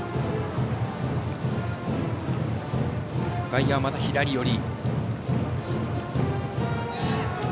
外野、また左寄り。